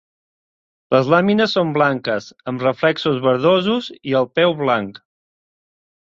Les làmines són blanques amb reflexos verdosos i el peu blanc.